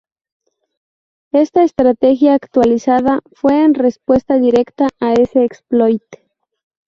Esta estrategia actualizada fue en respuesta directa a ese exploit.